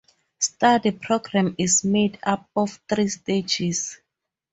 The study programme is made up of three stages.